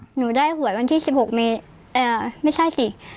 หนูได้หวยวันที่๑๖เมไม่ใช่สิ